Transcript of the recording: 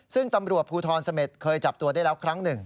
ซึ่งตำรวจภูทรเสม็ดเคยจับตัวได้แล้วครั้งหนึ่ง